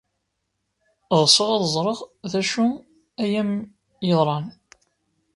Ɣseɣ ad ẓreɣ d acu ay am-yeḍran...